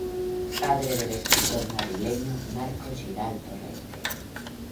Padre del escritor madrileño Marcos Giralt Torrente.